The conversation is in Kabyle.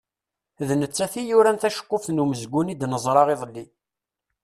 D nettat i yuran taceqquft n umezgun i d-neẓra iḍelli.